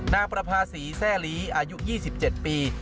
ประภาษีแซ่ลีอายุ๒๗ปี